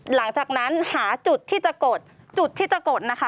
หลังจากนั้นหาจุดที่จะกดจุดที่จะกดนะคะ